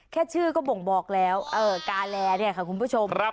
แค่ชื่อก็บ่งบอกแล้วกาแลเนี่ยค่ะคุณผู้ชม